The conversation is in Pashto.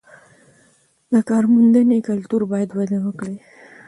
د کارموندنې کلتور باید وده وکړي.